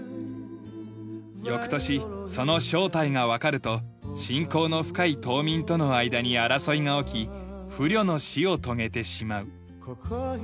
翌年その正体が分かると信仰の深い島民との間に争いが起き不慮の死を遂げてしまう。